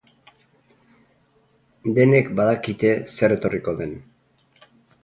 Denek badakite zer etorriko den.